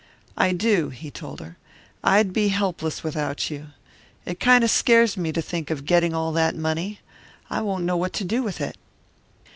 "I do," he told her. "I'd be helpless without you. It kind of scares me to think of getting all that money. I won't know what to do with it."